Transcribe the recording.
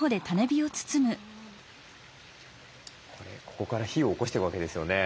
ここから火をおこしていくわけですよね。